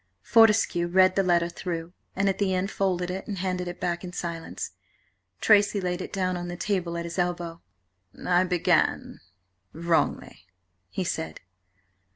Fortescue read the letter through, and at the end folded it and handed it back in silence. Tracy laid it down on the table at his elbow. "I began–wrongly," he said.